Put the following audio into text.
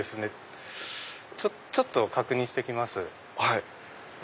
ちょっと確認して来ます。